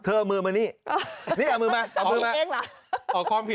เธอมือมานี่นี่เอามือมาเอาความผิด